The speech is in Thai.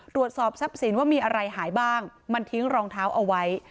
ตรวจสอบทรัพย์สินว่ามีอะไรหายบ้างมันทิ้งรองเท้าเอาไว้